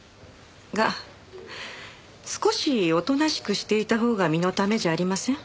が少しおとなしくしていたほうが身のためじゃありません？